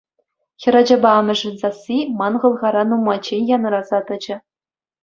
Хӗрачапа амӑшӗн сасси ман хӑлхара нумайччен янӑраса тӑчӗ.